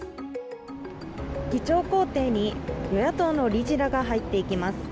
議長公邸に与野党の理事らが入っていきます。